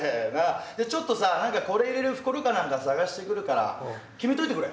じゃあちょっとさ何かこれ入れる袋か何か探してくるから決めといてくれ。